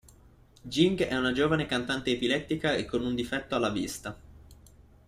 Jing è una giovane cantante epilettica e con un difetto alla vista.